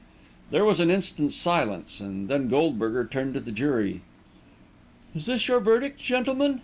There was an instant's silence, and then Goldberger turned to the jury. "Is this your verdict, gentlemen?"